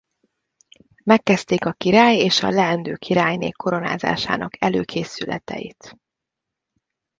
Megkezdték a király és a leendő királyné koronázásának előkészületeit.